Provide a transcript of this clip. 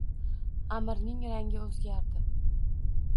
Аmirning rangi oʼzgardi.